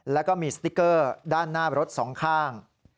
แล้วก็มีสติ๊กเกอร์ด้านหน้ารถสองข้าง